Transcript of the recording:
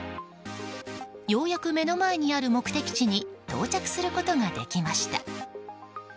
ようやく目の前にある目的地に到着することができました。